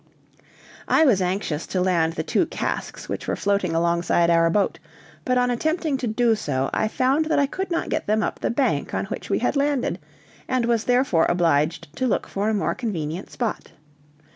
I was anxious to land the two casks which were floating alongside our boat, but on attempting to do so, I found that I could not get them up the bank on which we had landed, and was therefore obliged to look for a more convenient spot.